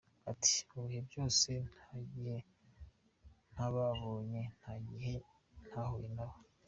Ati : “Mu bihe byose nta gihe ntababonye , nta n’igihe ntahuye nabo.